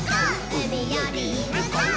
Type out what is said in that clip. うみよりむこう！？」